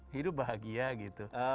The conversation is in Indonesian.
hidup bahagia gitu